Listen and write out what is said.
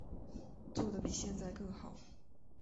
做得比现在更好